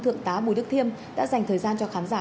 thượng tá bùi đức thiêm đã dành thời gian cho khán giả